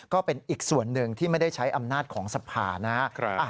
ก็เป็นอีกส่วนหนึ่งที่ไม่ได้ใช้อำนาจของสภานะครับ